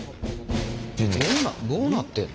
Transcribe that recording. どうなってんの？